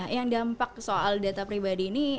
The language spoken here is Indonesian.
yang dampak soal data pribadi ini